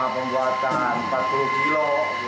pembuatan empat puluh kilo